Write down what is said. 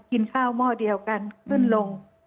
กินข้าวหม้อเดียวกันขึ้นลง